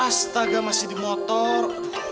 astaga masih di motor